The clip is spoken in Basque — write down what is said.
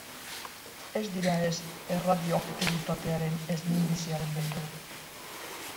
Ez dira ez erradioaktibitatearen ez minbiziaren beldur.